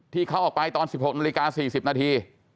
ที่เขาออกไปตอน๑๖นาฬิกา๔๐นาที